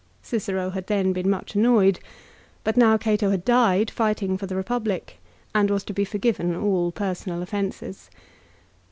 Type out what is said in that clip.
Cicero had then been much annoyed ; but now Cato had died, fighting for the Eepublic, and was to be forgiven all personal offences.